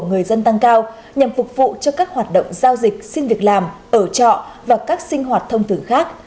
người dân tăng cao nhằm phục vụ cho các hoạt động giao dịch xin việc làm ở trọ và các sinh hoạt thông thường khác